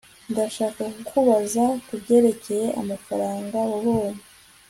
ndashaka kukubaza kubyerekeye amafaranga wabonye